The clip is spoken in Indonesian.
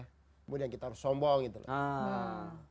kemudian kita harus sombong gitu loh